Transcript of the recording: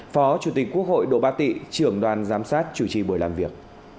phó chủ tịch quốc hội độ ba tị trưởng đoàn giám sát chủ trì buổi làm việc